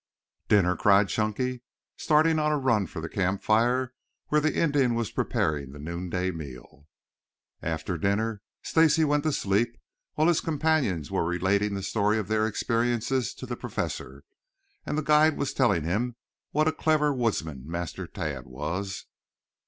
"Dinner!" cried Chunky, starting on a run for the campfire where the Indian was preparing the noonday meal. After dinner Stacy went to sleep while his companions were relating the story of their experiences to the Professor, and the guide was telling him what a clever woodsman Master Tad was.